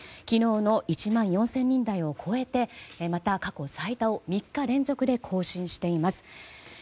昨日の１万４０００人台を超えてまた過去最多を３日連続で更新しています。